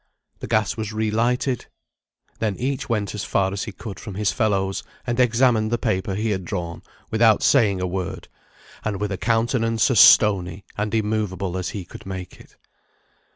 The gas was re lighted. Then each went as far as he could from his fellows, and examined the paper he had drawn without saying a word, and with a countenance as stony and immovable as he could make it.